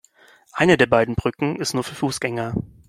Eine der beiden Brücken ist nur für Fußgänger.